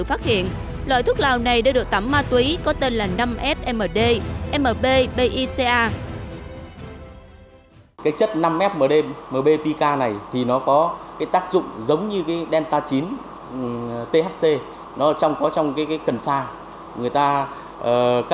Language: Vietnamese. phát hiện loại thuốc lào này đã được tắm ma túy có tên là năm f md mb bi ca